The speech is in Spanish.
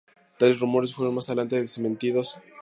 Tales rumores fueron más adelante desmentidos.